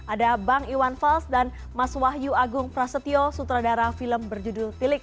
ada bang iwan fals dan mas wahyu agung prasetyo sutradara film berjudul tilik